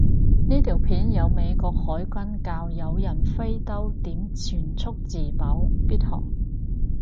呢條片有美國海軍教有人揮刀點全速自保，必學